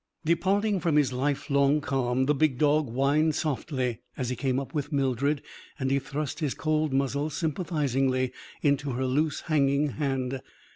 Departing from his lifelong calm, the big dog whined softly, as he came up with Mildred; and he thrust his cold muzzle sympathisingly into her loose hanging hand.